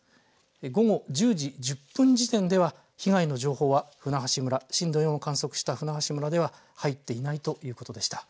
午後１０時１０分時点では被害の情報は舟橋村、震度４を観測した舟橋村では入っていないということでした。